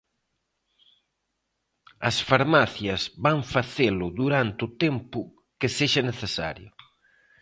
As farmacias van facelo durante o tempo que sexa necesario.